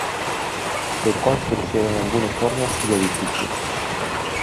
Se construyeron algunos hornos y edificios.